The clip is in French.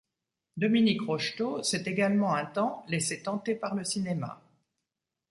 Dominique Rocheteau s'est également un temps laissé tenter par le cinéma.